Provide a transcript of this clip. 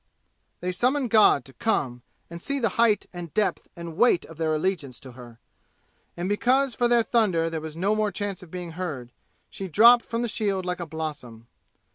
They summoned God to come and see the height and depth and weight of their allegiance to her! And because for their thunder there was no more chance of being heard, she dropped from the shield like a blossom.